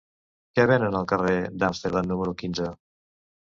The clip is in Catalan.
Què venen al carrer d'Amsterdam número quinze?